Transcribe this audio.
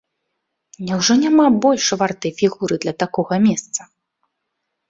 Няўжо няма больш вартай фігуры для такога месца?